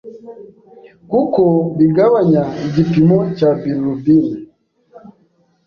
kuko bigabanya igipimo cya bilirubin